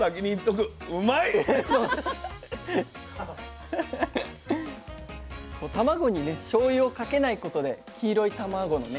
こう卵にねしょうゆをかけないことで黄色い卵のね